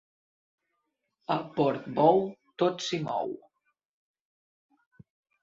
A Portbou, tot s'hi mou.